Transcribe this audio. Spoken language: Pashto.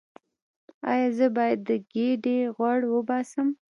ایا زه باید د ګیډې غوړ وباسم؟